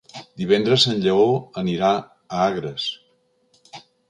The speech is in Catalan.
Divendres en Lleó anirà a Agres.